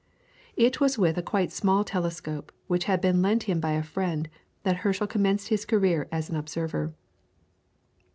It was with quite a small telescope which had been lent him by a friend that Herschel commenced his career as an observer.